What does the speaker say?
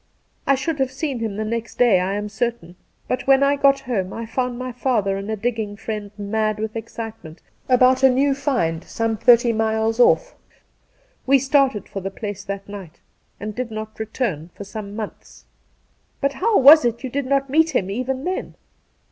I should have seen him the next day, I am certain, but when I got home I found my father and a digging friend mad with excitement about a new find some thirty miles off. We started for the place that night, and did not return for some months.' ' But how was it you did not meet him even then